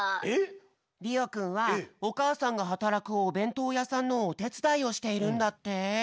りおくんはおかあさんがはたらくおべんとうやさんのおてつだいをしているんだって。